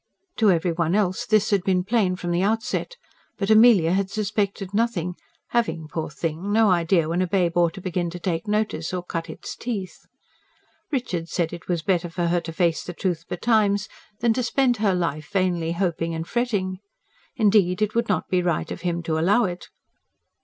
To every one else this had been plain from the outset; but Amelia had suspected nothing, having, poor thing, no idea when a babe ought to begin to take notice or cut its teeth. Richard said it was better for her to face the truth betimes than to spend her life vainly hoping and fretting; indeed, it would not be right of him to allow it.